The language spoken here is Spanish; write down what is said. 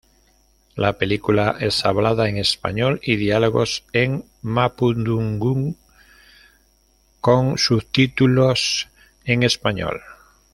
La película es hablada en español y diálogos en mapudungún con subtítulos en español.